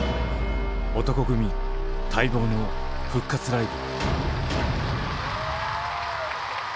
男闘呼組待望の復活ライブ！